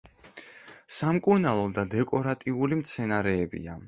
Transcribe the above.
სამკურნალო და დეკორატიული მცენარეებია.